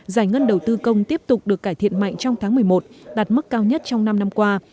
giải ngân đầu tư công tiếp tục được cải thiện mạnh trong tháng một mươi một đạt mức cao nhất trong năm năm qua